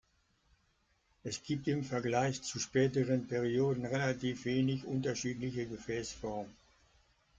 Es gibt im Vergleich zu späteren Perioden relativ wenig unterschiedliche Gefäßformen.